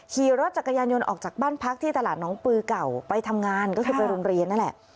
ขี่รถจักรยานยนต์ออกจากบ้านพักที่ตลาดน้องปือเก่าไปทำงานก็คือไปโรงเรียนนั่นแหละ